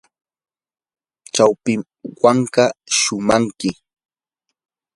chawpi hanka shumaqmi.